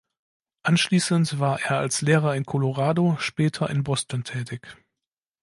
Anschließend war er als Lehrer in Colorado, später in Boston tätig.